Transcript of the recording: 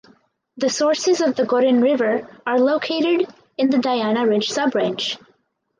The sources of the Gorin River are located in the Dayana Ridge subrange.